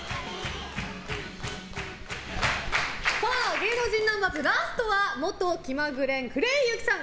芸能人ナンバーズラストは元キマグレンのクレイ勇輝さん